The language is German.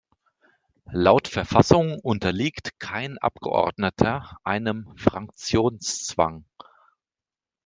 Laut Verfassung unterliegt kein Abgeordneter einem Fraktionszwang.